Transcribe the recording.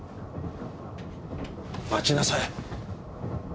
待ちなさい。